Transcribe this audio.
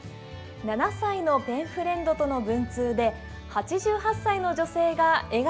７歳のペンフレンドとの文通で８８歳の女性が笑顔を取り戻しました。